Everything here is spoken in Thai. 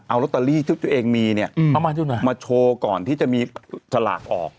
เอาลอตเตอรี่ที่ตัวเองมีเนี่ยเอามาที่ไหนมาโชว์ก่อนที่จะมีสลากออก